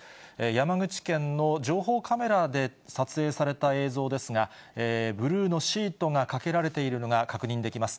山口県の情報カメラで撮影された映像ですが、ブルーのシートがかけられているのが確認できます。